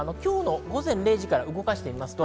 午前０時から動かしていきます。